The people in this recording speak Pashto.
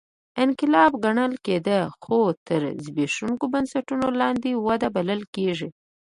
انقلاب ګڼل کېده خو تر زبېښونکو بنسټونو لاندې وده بلل کېږي